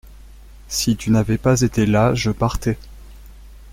Si tu n’avais pas été là je partais.